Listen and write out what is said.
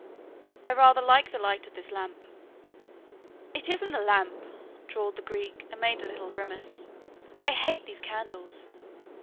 "I rather like the light of this lamp." "It isn't the lamp," drawled the Greek and made a little grimace; "I hate these candles."